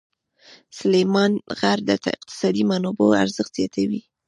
سلیمان غر د اقتصادي منابعو ارزښت زیاتوي.